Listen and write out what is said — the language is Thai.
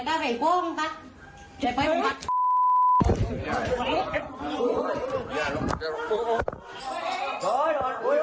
กับไอ้กูมึงตัด